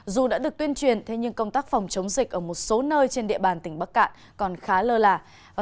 dù đã được tuyên truyền thế nhưng công tác phòng chống dịch ở một số nơi trên địa bàn tỉnh bắc cạn còn khá lơ là